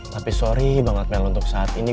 tapi sorry banget mel untuk saat ini